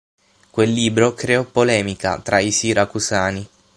Quel libro creò polemica tra i siracusani.